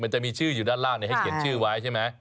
มันจะมีชื่ออยู่ด้านล่างให้เขียนชื่อไว้ใช่ไหม